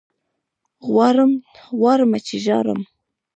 غواړمه چې ژاړم